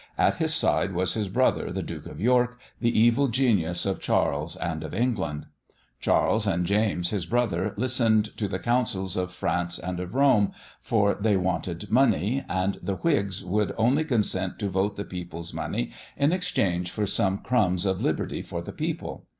At his side was his brother, the Duke of York, the evil genius of Charles and of England. Charles, and James his brother, listened to the counsels of France and of Rome, for they wanted money, and the Whigs would only consent to vote the people's money in exchange for some crumbs of liberty for the people.